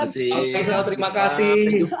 pak faisal terima kasih